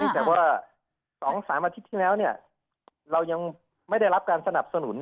แต่ว่า๒๓อาทิตย์ที่แล้วเรายังไม่ได้รับการสนับสนุน